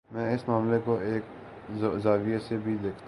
میں اس معاملے کوایک اور زاویے سے بھی دیکھتا تھا۔